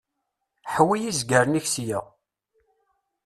Ḥwi izgaren-ik sya.